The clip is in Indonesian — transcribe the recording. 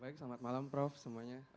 baik selamat malam prof semuanya